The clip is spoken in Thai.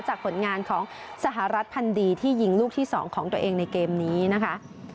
ผลงานของสหรัฐพันดีที่ยิงลูกที่๒ของตัวเองในเกมนี้นะคะ